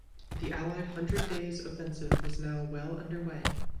The Allied Hundred Days Offensive was now well under way.